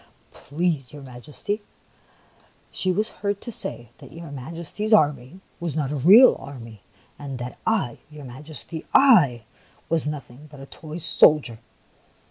" Please your Majesty, she was heard to say that your Majesty's army was not a real army, and that I, your Majesty, — /was nothing but a toy soldier